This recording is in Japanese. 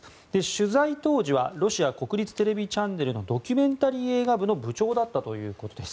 取材当時はロシア国立テレビチャンネルのドキュメンタリー映画部の部長だったということです。